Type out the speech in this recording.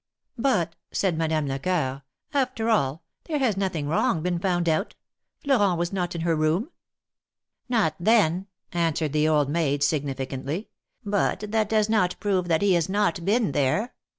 ''But," said Madame Lecoeur, "after all, there has nothing wrong been found out. Florent was not in her room." " Not then," answered the old maid, significantly, " but that does not prove that he has not been there.